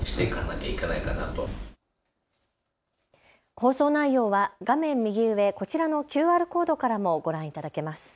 放送内容は画面右上、こちらのＱＲコードからもご覧いただけます。